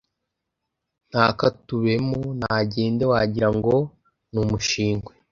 ntakatubemo nagende wagirango n’ umushingwe